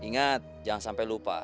ingat jangan sampai lupa